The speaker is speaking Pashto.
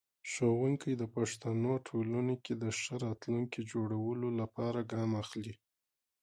ښوونکی د پښتنو ټولنې کې د ښه راتلونکي جوړولو لپاره ګام اخلي.